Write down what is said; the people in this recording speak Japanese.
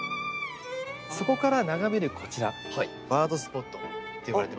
そこから眺めるこちら「バードスポット」っていわれてまして。